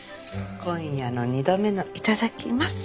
今夜の二度目のいただきます。